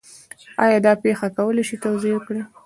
آیا دغه پېښه کولی شئ توضیح کړئ؟